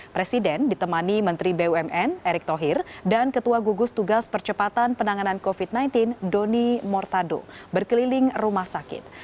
presiden ditemani menteri bumn erick thohir dan ketua gugus tugas percepatan penanganan covid sembilan belas doni mortado berkeliling rumah sakit